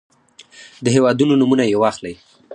د هېوادونو نومونه يې واخلئ.